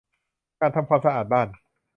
การทำความสะอาดบ้าน